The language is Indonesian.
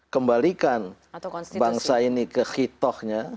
kembalikan bangsa ini ke hitohnya